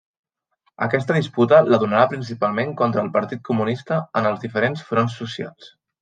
Aquesta disputa la donarà principalment contra el Partit Comunista en els diferents fronts socials.